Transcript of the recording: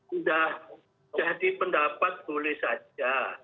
sudah jadi pendapat boleh saja